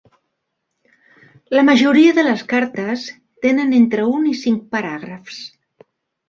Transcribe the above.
La majoria de les cartes tenen entre un i cinc paràgrafs.